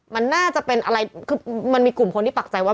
มันน่าจะเป็นอะไรคือมันมีกลุ่มคนที่ปักใจว่า